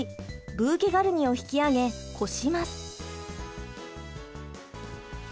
ブーケガルニを引き上げこします。